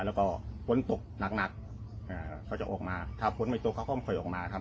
แล้วก็ฝนตกหนักอ่าเขาจะออกมาถ้าฝนไม่ตกเขาก็ไม่ค่อยออกมาครับ